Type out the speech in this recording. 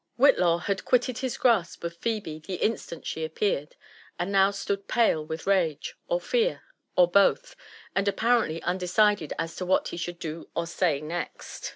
Whitlaw had quitted his grasp of Phebe the instant she appeared, and now stood pale with rage, or fear, or both, and apparently unde cided as to what he should do or say next.